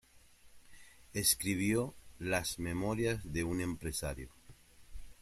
Escribió "Las Memorias de un empresario".